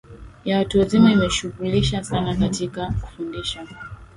ya watu wazima imejishughulisha sana katika kufundisha